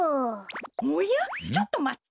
おやちょっとまって。